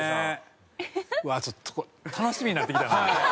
うわーちょっと楽しみになってきたな！